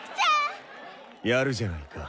やるじゃないか。